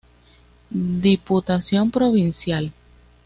Diputación Provincial.